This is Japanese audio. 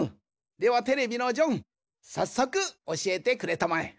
ではテレビのジョンさっそくおしえてくれたまえ。